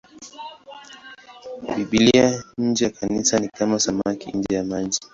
Biblia nje ya Kanisa ni kama samaki nje ya maji.